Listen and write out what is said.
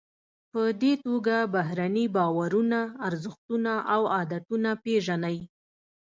په دې توګه بهرني باورونه، ارزښتونه او عادتونه پیژنئ.